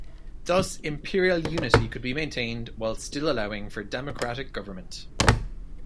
Thus, Imperial unity could be maintained while still allowing for democratic government.